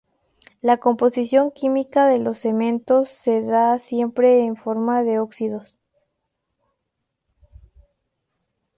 La composición química de los cementos se da siempre en forma de óxidos.